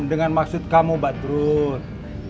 dengan maksud kamu batrul